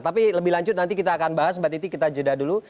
tapi lebih lanjut nanti kita akan bahas mbak titi kita jeda dulu